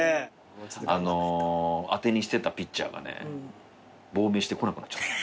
あの当てにしてたピッチャーがね亡命して来なくなっちゃった。